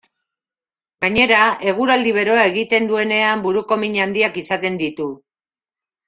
Gainera, eguraldi beroa egiten duenean buruko min handiak izaten ditu.